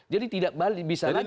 jadi tidak bisa lagi seperti ini